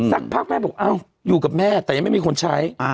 สักพักแม่บอกอ้าวอยู่กับแม่แต่ยังไม่มีคนใช้